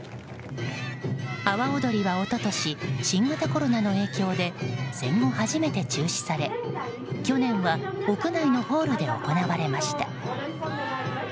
阿波おどりは、一昨年新型コロナの影響で戦後初めて中止され、去年は屋内のホールで行われました。